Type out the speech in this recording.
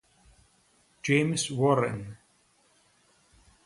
James Warren